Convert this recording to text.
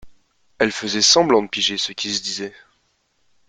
Elle faisait semblant de piger ce qui se disait